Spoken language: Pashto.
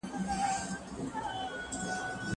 ځینې شاعران له عربي ادب اغېزمن دي.